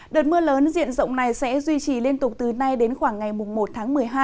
đợt mưa lớn diện rộng này sẽ duy trì liên tục từ nay đến khoảng ngày một tháng một mươi hai